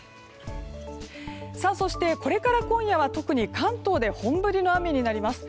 そして、これから今夜は特に関東で本降りの雨になります。